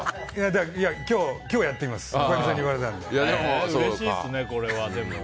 今日、やってみます。